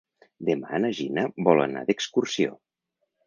Demà na Gina vol anar d'excursió.